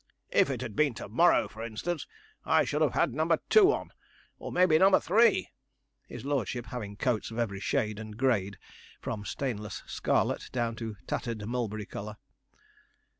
If it had been to morrow, for instance, I should have had number two on, or maybe number three,' his lordship having coats of every shade and grade, from stainless scarlet down to tattered mulberry colour.